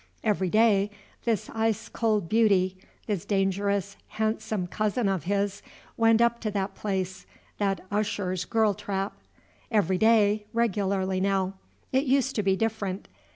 Every day this ice cold beauty, this dangerous, handsome cousin of his, went up to that place, that usher's girl trap. Everyday, regularly now, it used to be different.